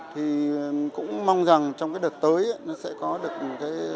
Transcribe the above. thì cũng mong rằng trong cái đợt tới nó sẽ có được một cái